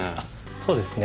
そうですね。